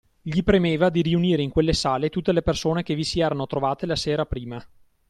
Gli premeva di riunire in quelle sale tutte le persone che vi si erano trovate la sera prima